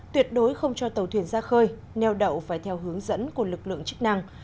tuyệt đối không cho tàu thuyền ra khơi neo đậu phải theo hướng dẫn của lực lượng chức năng